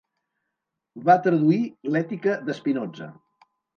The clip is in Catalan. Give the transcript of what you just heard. Va traduir l'Ètica de Spinoza.